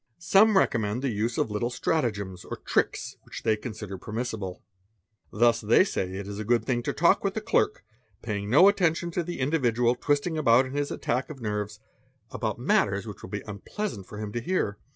Some recommend the use of little strategems or tricks, which they onsider permissible. Thus, they say, it is a good thing to talk with the lerk, paying no attention to the individual twisting about in his attack xf nerves, about matters which will be unpleasant for him to hear.